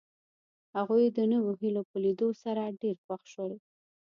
هغوی د نویو هیلو په لیدو سره ډېر خوښ شول